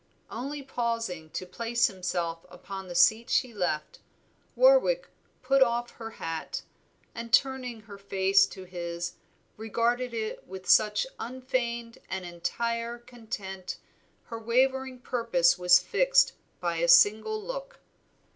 Only pausing to place himself upon the seat she had left, Warwick put off her hat, and turning her face to his regarded it with such unfeigned and entire content her wavering purpose was fixed by a single look.